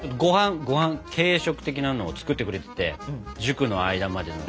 ごはん軽食的なのを作ってくれてて塾の間までの。